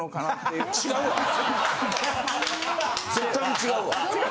絶対に違うわ。